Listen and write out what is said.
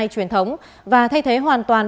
truyền thống và thay thế hoàn toàn